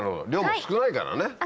量も少ないからね。